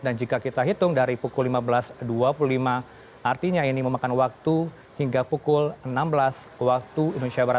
dan jika kita hitung dari pukul lima belas dua puluh lima artinya ini memakan waktu hingga pukul enam belas wib